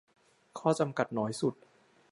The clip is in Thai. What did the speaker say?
ข้อจำกัดน้อยสุด